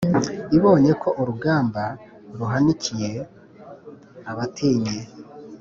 Ibonye ko urugamba ruhanikiye abatinyi,